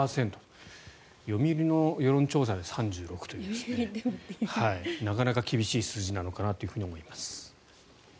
読売の世論調査で３６％ですからなかなか厳しい数字なのかなと思います。